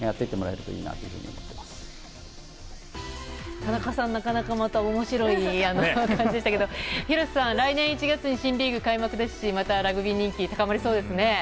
田中さん、なかなかまた面白い感じでしたけど廣瀬さん、来年１月に新リーグ開幕ですしまたラグビー人気高まりそうですね。